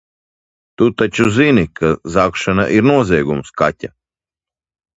Tu taču zini, ka zagšana ir noziegums, Katja?